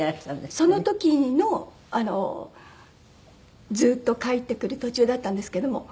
その時のずっと帰ってくる途中だったんですけども。